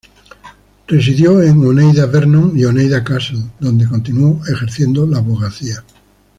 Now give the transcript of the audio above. Residió en Oneida Vernon y Oneida Castle, donde continuó ejerciendo la abogacía.